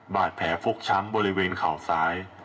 บาดแผลฟกช้ำบริเวณเข่าซ้าย